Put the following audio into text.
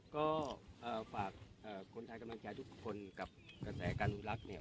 ก็ฝากคนทายกำลังแคะทุกคนกับกระแสอาการอุดลักษณ์เนี่ย